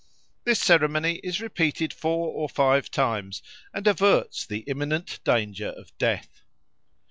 This ceremony is repeated four or five times, and averts the imminent danger of death.